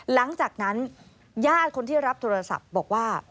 หลังจากนั้นญาติคนที่รับโทรศัพท์บอกว่า